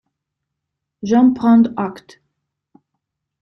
J’en prends acte.